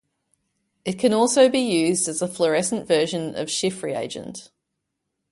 It can also be used as a fluorescent version of Schiff reagent.